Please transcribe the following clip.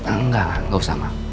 enggak enggak usah ma